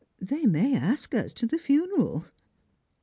They may ask us to the funeral."